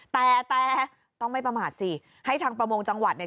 แต่แต่ต้องไม่ประมาทสิให้ทางประมงจังหวัดเนี่ย